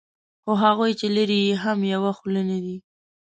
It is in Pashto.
خو هغوی چې لري یې هم یوه خوله نه دي.